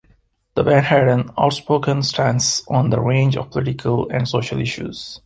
The band had an outspoken stance on a range of political and social issues.